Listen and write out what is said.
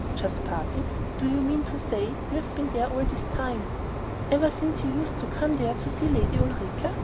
"Just parted? Do you mean to say you've been there all this time?" "Ever since you used to come there to see Lady Ulrica?